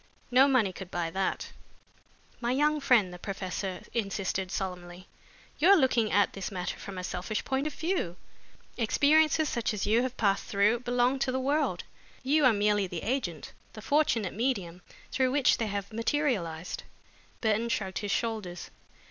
No money could buy that." "My young friend," the professor insisted solemnly, "you are looking at this matter from a selfish point of view. Experiences such as you have passed through, belong to the world. You are merely the agent, the fortunate medium, through which they have materialized." Burton shrugged his shoulders.